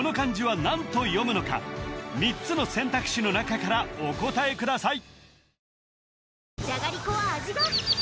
この３つの選択肢の中からお答えください